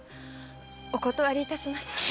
お断りいたします。